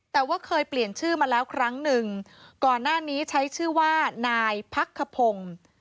แต่ว่าเคยเปลี่ยนชื่อมาแล้วครั้งหนึ่งก่อนหน้านี้ใช้ชื่อว่านายพักขพงศ์